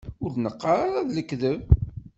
Ur d-neqqar ara d lekdeb.